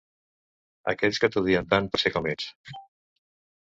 Aquells que t’odien tant per ser com ets.